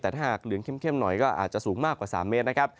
แต่ถ้าหากเหลืองเข้มหน่อยก็อาจจะสูงมากกว่า๓เมตรนะครับ